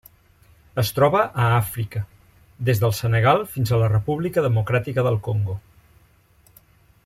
Es troba a Àfrica: des del Senegal fins a la República Democràtica del Congo.